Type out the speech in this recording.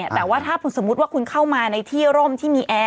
แต่ว่าถ้าสมมุติว่าคุณเข้ามาในที่ร่มที่มีแอร์